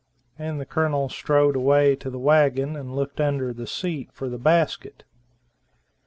And the Colonel strode away to the wagon and looked under the seat for the basket.